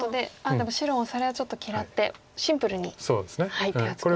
でも白もそれはちょっと嫌ってシンプルに手厚く打ちました。